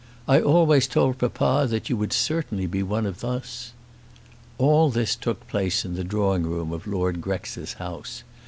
I always told papa that you would certainly be one of us." All this took place in the drawing room of Lord Grex's house.